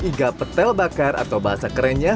iga petel bakar atau bahasa kerennya